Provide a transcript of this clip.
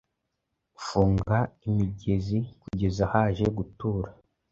Funga imigezikugeza haje gutura